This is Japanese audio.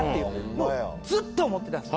もうずっと思ってたんです。